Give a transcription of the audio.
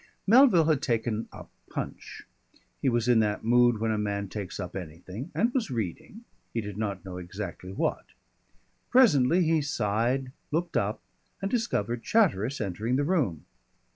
] Melville had taken up Punch he was in that mood when a man takes up anything and was reading, he did not know exactly what. Presently he sighed, looked up, and discovered Chatteris entering the room.